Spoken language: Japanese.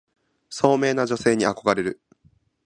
聡明な女性に憧れる